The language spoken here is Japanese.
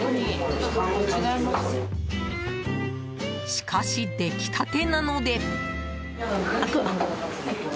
しかし、出来たてなので。